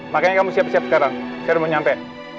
makanya kamu siap siap sekarang saya udah mau nyampe